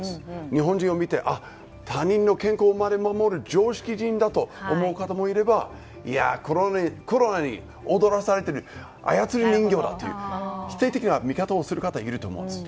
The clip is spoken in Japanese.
日本人を見て他人の健康まで守る常識人だと思う方もいればいや、コロナに踊らされている操り人形だと否定的な見方をする人もいると思います。